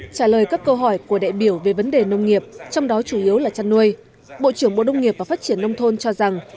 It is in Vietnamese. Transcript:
trả lời các câu hỏi của đại biểu về vấn đề nông nghiệp trong đó chủ yếu là chăn nuôi bộ trưởng bộ nông nghiệp và phát triển nông thôn cho rằng